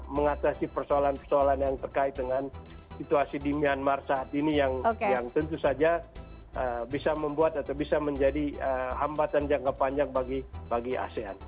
mengatasi persoalan persoalan yang terkait dengan situasi di myanmar saat ini yang tentu saja bisa membuat atau bisa menjadi hambatan jangka panjang bagi asean